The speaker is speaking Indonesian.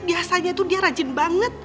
biasanya itu dia rajin banget